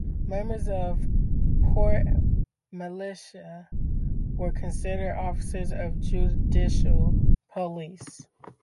Members of the Port Militia were considered officers of judicial police.